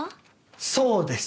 そうです。